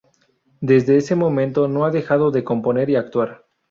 Desde ese momento no ha dejado de componer y actuar.